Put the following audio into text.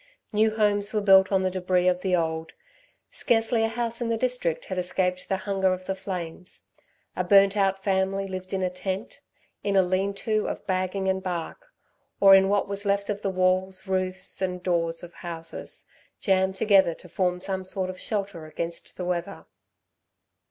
New homes were built on the débris of the old. Scarcely a house in the district had escaped the hunger of the flames. A burnt out family lived in a tent, in a lean to of bagging and bark, or in what was left of the walls, roofs and doors of houses, jammed together to form some sort of shelter against the weather.